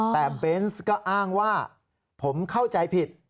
แต่เบนส์ก็อ้างว่าผมเข้าใจผิด